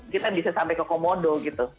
kita bisa sampai ke komodo gitu